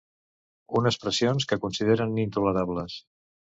Unes pressions que considerem intolerables.